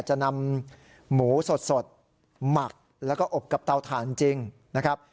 จะนำหมูสดหมักแล้วก็อบกับเตาถ่านจริงนะครับ